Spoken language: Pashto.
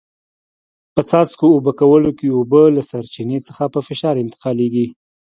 په څاڅکو اوبه کولو کې اوبه له سرچینې څخه په فشار انتقالېږي.